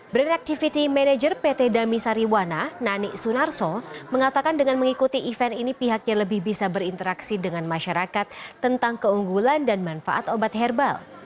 brand activity manager pt damisariwana nani sunarso mengatakan dengan mengikuti event ini pihaknya lebih bisa berinteraksi dengan masyarakat tentang keunggulan dan manfaat obat herbal